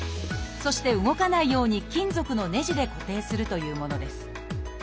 そして動かないように金属のねじで固定するというものです。